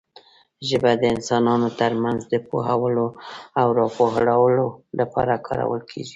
ژبه د انسانانو ترمنځ د پوهولو او راپوهولو لپاره کارول کېږي.